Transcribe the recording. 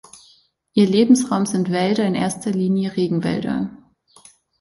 Ihr Lebensraum sind Wälder, in erster Linie Regenwälder.